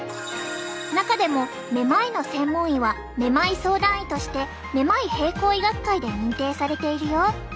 中でもめまいの専門医はめまい相談医としてめまい平衡医学会で認定されているよ。